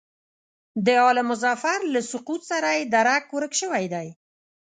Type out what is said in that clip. د آل مظفر له سقوط سره یې درک ورک شوی دی.